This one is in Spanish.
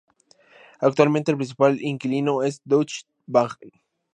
Actualmente el principal inquilino es Deutsche Bahn.